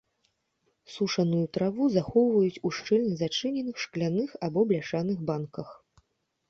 Сушаную траву захоўваюць у шчыльна зачыненых шкляных або бляшаных банках.